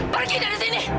pergi dari sini